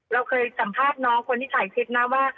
เราเคยสัมภาษณ์น้องคนที่ถ่ายคลิปนะว่า